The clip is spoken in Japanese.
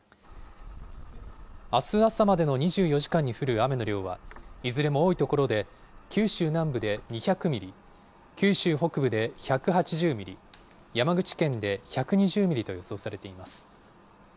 あす朝までの２４時間に降る雨の量は、いずれも多い所で、九州南部で２００ミリ、九州北部で１８０ミリ、山口県で１２０ミリと予想されています。